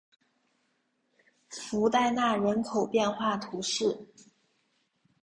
弗代纳人口变化图示